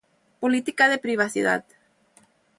Política de Privacidad